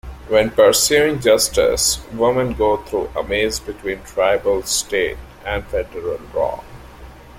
When pursuing justice women go through a maze between tribal, state and federal law.